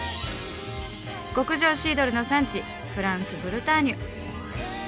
極上シードルの産地フランスブルターニュ。